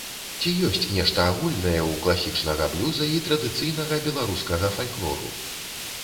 Ці ёсць нешта агульнае ў класічнага блюза і традыцыйнага беларускага фальклору?